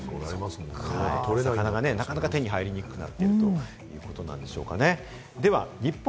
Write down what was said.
魚がなかなか手に入りにくくなっているということなんでしょうかね。